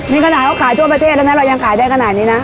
นี่ขนาดเขาขายทั่วประเทศแล้วนะเรายังขายได้ขนาดนี้นะ